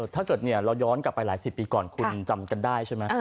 ถ้าเกิดเราย้อนกลับไปหลายสิบปีก่อนคุณจำกันได้ใช่ไหม